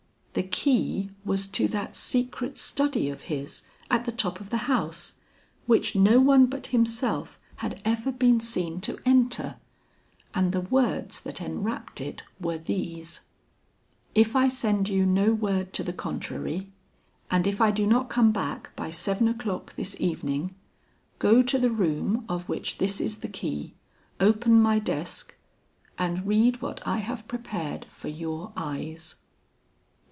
The key was to that secret study of his at the top of the house, which no one but himself had ever been seen to enter, and the words that enwrapped it were these: "If I send you no word to the contrary, and if I do not come back by seven o'clock this evening, go to the room of which this is the key, open my desk, and read what I have prepared for your eyes.